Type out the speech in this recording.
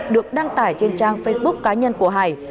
được đăng tải trên trang facebook cá nhân của hải